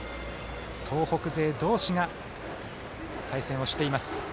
東北勢同士が対戦をしています。